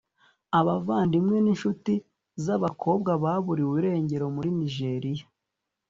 Abavandimwe n’inshuti z’abakobwa baburiwe irengero muri Nigeriya